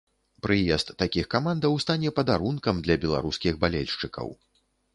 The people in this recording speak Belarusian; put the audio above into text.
Прыезд такіх камандаў стане падарункам для беларускіх балельшчыкаў.